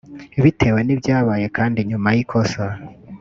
Bitewe n’ibyabaye kandi nyuma y’ikosa